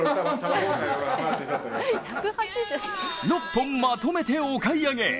６本まとめてお買い上げ！